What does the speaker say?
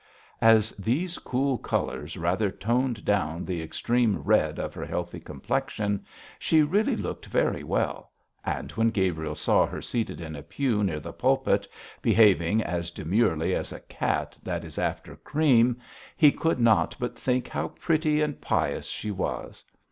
As these cool colours rather toned down the extreme red of her healthy complexion, she really looked very well; and when Gabriel saw her seated in a pew near the pulpit, behaving as demurely as a cat that is after cream, he could not but think how pretty and pious she was.